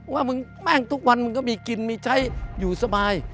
ว่ามึงแป้งทุกวันมึงก็มีกินมีใช้อยู่สบาย